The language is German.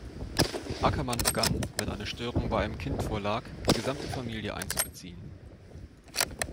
Ackerman begann, wenn eine Störung bei einem Kind vorlag, die gesamte Familie einzubeziehen.